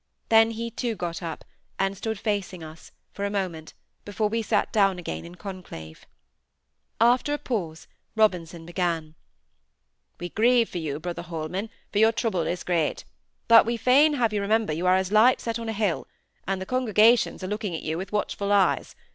Then he too got up, and stood facing us, for a moment, before we all sate down in conclave. After a pause Robinson began,— "We grieve for you, Brother Holman, for your trouble is great. But we would fain have you remember you are as a light set on a hill; and the congregations are looking at you with watchful eyes.